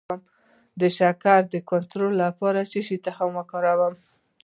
د شکر د کنټرول لپاره د څه شي تخم وکاروم؟